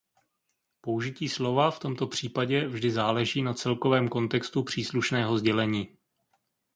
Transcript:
Použití slova v tomto případě vždy záleží na celkovém kontextu příslušného sdělení.